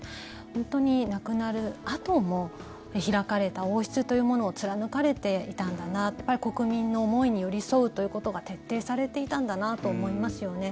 本当に亡くなるあとも開かれた王室というものを貫かれていたんだな国民の思いに寄り添うということが徹底されていたんだなと思いますよね。